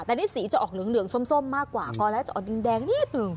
แต่นี่สีจะออกเหลืองส้มมากกว่าก่อนแล้วจะออกดินแดงนิดหนึ่ง